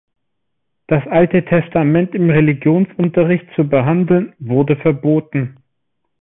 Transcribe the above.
Das Alte Testament im Religionsunterricht zu behandeln, wurde verboten.